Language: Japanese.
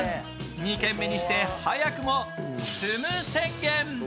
２軒目にして早くも、住む宣言。